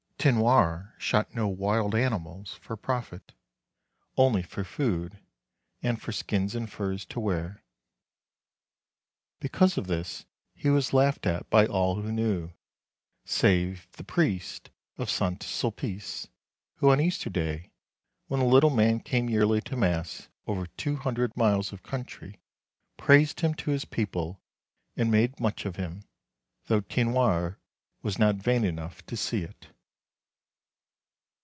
Tinoir shot no wild animals for profit — only for food and for skins and furs to wear. Because of this he was laughed at by all who knew, save the priest of St. Sulpice, who, on Easter Day, when the little man came yearly to Mass over two hundred miles of country, praised him to his people and made much of him, though Tinoir was not vain enough to see it.